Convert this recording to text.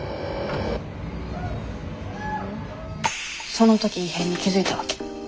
その時異変に気付いたわけ。